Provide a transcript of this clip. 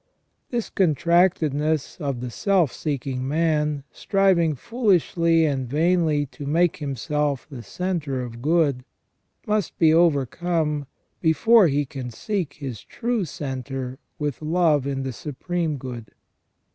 This contractedness of the self seeking man, striving foolishly and vainly to make himself the centre of good, must be overcome before he can seek his true centre with love in the Supreme Good.